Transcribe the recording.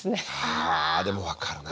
あでも分かるな。